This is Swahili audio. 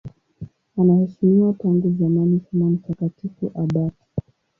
Anaheshimiwa tangu zamani kama mtakatifu abati.